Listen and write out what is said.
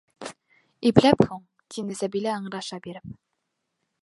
Ипләп һуң?! - тине Сәбилә ыңраша биреп.